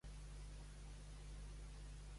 És la seu administrativa del districte de Dantewada.